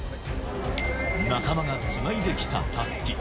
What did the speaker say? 仲間がつないできたたすき。